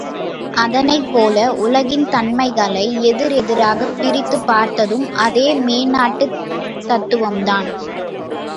அதனைப்போல, உலகின் தன்மைகளை எதிர் எதிராகப் பிரித்துப் பார்த்ததும் அதே மேனாட்டுத் தத்துவம்தான்!